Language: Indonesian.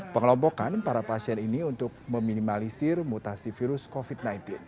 pengelompokan para pasien ini untuk meminimalisir mutasi virus covid sembilan belas